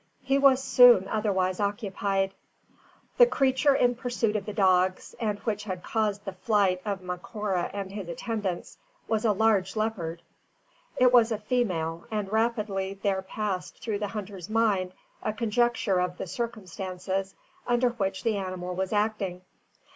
He was soon otherwise occupied. The creature in pursuit of the dogs, and which had caused the flight of Macora and his attendants, was a large leopard. It was a female, and rapidly there passed through the hunter's mind a conjecture of the circumstances under which the animal was acting.